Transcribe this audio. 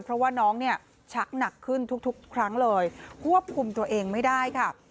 เพราะว่าน้องเนี่ยชักหนักขึ้นทุกครั้งเลยควบคุมตัวเองไม่ได้ค่ะ